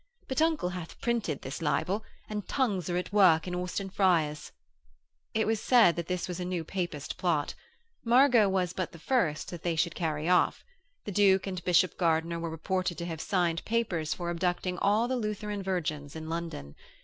But uncle hath printed this libel, and tongues are at work in Austin Friars.' It was said that this was a new Papist plot. Margot was but the first that they should carry off. The Duke and Bishop Gardiner were reported to have signed papers for abducting all the Lutheran virgins in London.